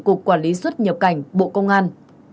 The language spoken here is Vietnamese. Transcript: cục quản lý xuất nhập cảnh bộ công an